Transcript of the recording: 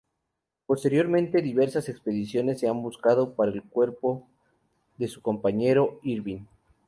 Posteriormente, diversas expediciones han buscado el cuerpo de su compañero Irvine.